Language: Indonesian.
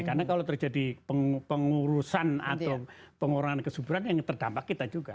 karena kalau terjadi pengurusan atau pengurangan kesuburan yang terdampak kita juga